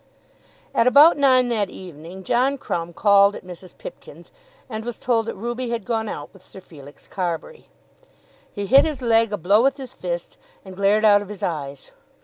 At about nine that evening John Crumb called at Mrs. Pipkin's, and was told that Ruby had gone out with Sir Felix Carbury. He hit his leg a blow with his fist, and glared out of his eyes.